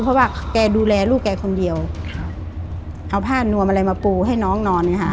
เพราะว่าแกดูแลลูกแกคนเดียวครับเอาผ้านวมอะไรมาปูให้น้องนอนเนี่ยค่ะ